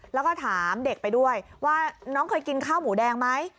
แล้วก็ถามเด็กไปด้วยว่าน้องเคยกินข้าวหมูแดงไหม